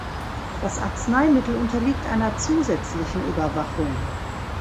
Das Arzneimittel unterliegt einer zusätzlichen Überwachung.